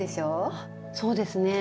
あそうですね。